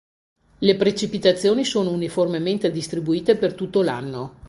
Le precipitazioni sono uniformemente distribuite per tutto l'anno.